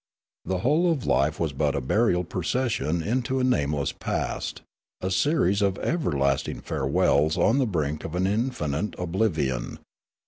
The whole of life was but a burial procession into a name less past, a series of everlasting farewells on the brink of an infinite oblivion.